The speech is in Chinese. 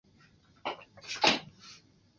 今天也一样不顺